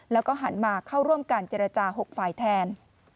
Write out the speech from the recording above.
แล้วก็หันมาเข้าร่วมการเจรจา๖ฝ่ายแทน